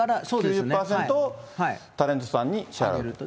９０％をタレントさんに支払うと。